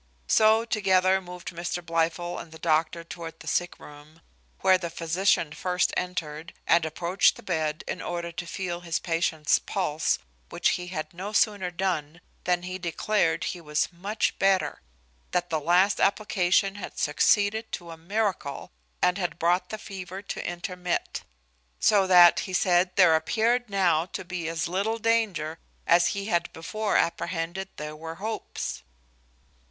So together moved Mr Blifil and the doctor toward the sick room; where the physician first entered, and approached the bed, in order to feel his patient's pulse, which he had no sooner done, than he declared he was much better; that the last application had succeeded to a miracle, and had brought the fever to intermit: so that, he said, there appeared now to be as little danger as he had before apprehended there were hopes.